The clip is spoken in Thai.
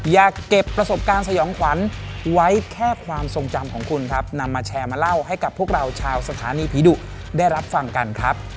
อยากเก็บประสบการณ์สยองขวัญไว้แค่ความทรงจำของคุณครับนำมาแชร์มาเล่าให้กับพวกเราชาวสถานีผีดุได้รับฟังกันครับ